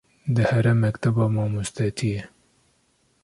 dihere mekteba mamostetiyê